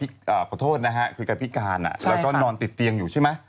ขอโทษนะฮะคือแกพิการแล้วก็นอนติดเตียงอยู่ใช่ไหม